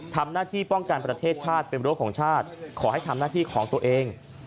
ทำหน้าที่ป้องกันประเทศชาติเป็นรั้วของชาติขอให้ทำหน้าที่ของตัวเอง